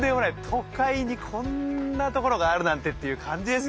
都会にこんなところがあるなんてっていう感じですよね。